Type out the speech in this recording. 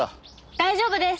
大丈夫です。